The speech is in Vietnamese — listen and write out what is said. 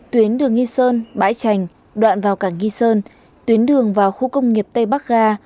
tuyến đường nghi sơn bãi trành đoạn vào cảng nghi sơn tuyến đường vào khu công nghiệp tây bắc ga